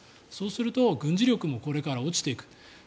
そうすると、軍事力もこれから落ちていく。